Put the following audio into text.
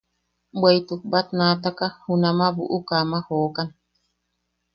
Bweʼituk batnaataka junama buʼuka ama jookan.